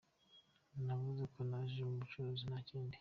Navuze ko naje mu bucuruzi nta kindi.